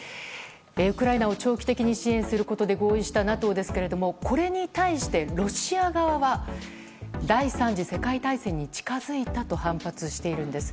ウクライナを長期的に支援することで合意したＮＡＴＯですがこれに対してロシア側は第３次世界大戦に近づいたと反発しているんです。